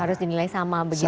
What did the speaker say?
harus dinilai sama begitu